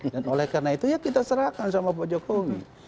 dan oleh karena itu ya kita serahkan sama pak jokowi